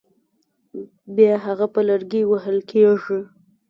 بیا هغه په لرګي وهل کېږي.